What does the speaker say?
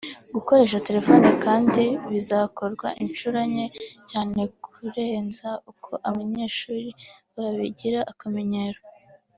Gukoresha telefone kandi bizakorwa inshuro nke cyane kurenza uko abanyeshuri babigira akamenyero